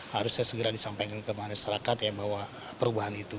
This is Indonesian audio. harusnya segera disampaikan ke masyarakat ya bahwa perubahan itu